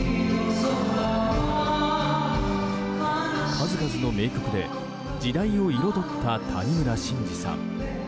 数々の名曲で時代を彩った谷村新司さん。